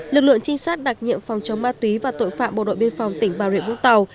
lực lượng trinh sát đặc nhiệm phòng chống ma túy và tội phạm bộ đội biên phòng tỉnh bà rịa vũng tàu